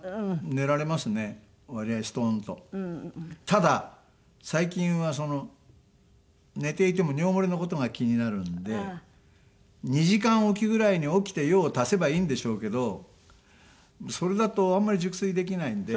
ただ最近は寝ていても尿漏れの事が気になるんで２時間置きぐらいに起きて用を足せばいいんでしょうけどそれだとあんまり熟睡できないんで。